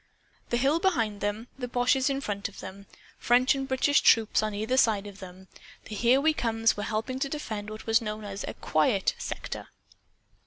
The hill behind them, the boches in front of them, French and British troops on either side of them the Here We Comes were helping to defend what was known as a "quiet" sector.